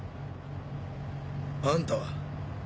あんたは？